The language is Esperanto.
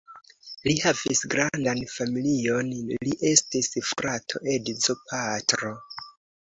Li havis grandan familion: li estis frato, edzo, patro.